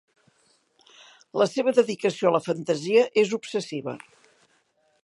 La seva dedicació a la fantasia és obsessiva.